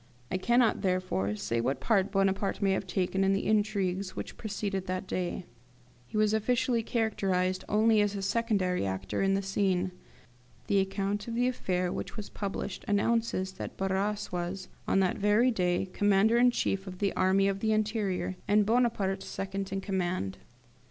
I cannot, therefore, say what part Bonaparte may have taken in the intrigues which preceded that day. He was officially characterised only as secondary actor in the scene. The account of the affair which was published announces that Barras was, on that very day, Commander in chief of the Army of the Interior, and Bonaparte second in command.